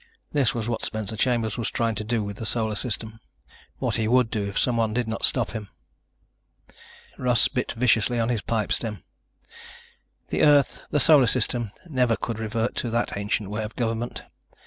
This was what Spencer Chambers was trying to do with the Solar System ... what he would do if someone did not stop him. Russ bit viciously on his pipe stem. The Earth, the Solar System, never could revert to that ancient way of government.